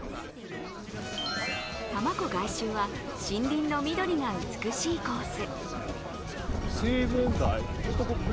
多摩湖外周は森林の緑が美しいコース。